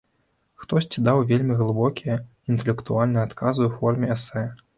Хтосьці даў вельмі глыбокія, інтэлектуальныя адказы ў форме эсэ.